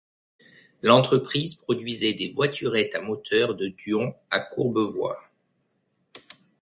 L'entreprise produisait des voiturettes à moteur De Dion à Courbevoie.